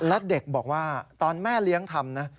และเด็กบอกว่าตอนแม่เลี้ยงทำนะ